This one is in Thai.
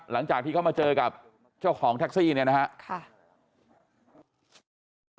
หลังจากที่เขามาเจอกับเจ้าของแท็กซี่เนี่ยนะครับ